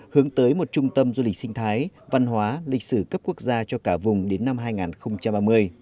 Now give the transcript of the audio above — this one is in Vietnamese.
hướng tới một trung tâm du lịch sinh thái văn hóa lịch sử cấp quốc gia cho cả vùng đến năm hai nghìn ba mươi